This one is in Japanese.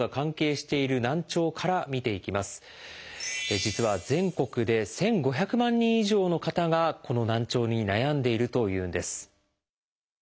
実は全国で１，５００万人以上の方がこの難聴に悩んでいるというんです。